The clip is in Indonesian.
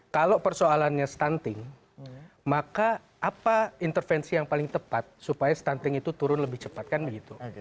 kalau persoalannya stunting maka apa intervensi yang paling tepat supaya stunting itu turun lebih cepat kan begitu